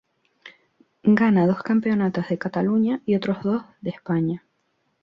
Gana dos campeonatos de Cataluña y otros dos de España.